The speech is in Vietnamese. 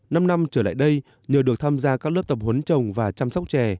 năm năm trở lại đây nhờ được tham gia các lớp tập huấn trồng và chăm sóc chè